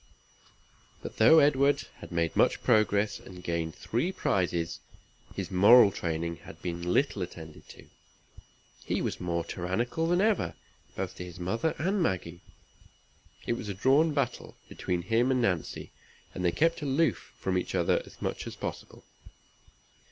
But though Edward had made much progress, and gained three prizes, his moral training had been little attended to. He was more tyrannical than ever, both to his mother and Maggie. It was a drawn battle between him and Nancy, and they kept aloof from each other as much as possible.